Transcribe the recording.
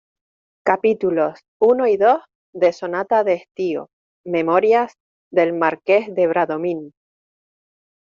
capítulos uno y dos de Sonata de Estío, Memorias del Marqués de Bradomín.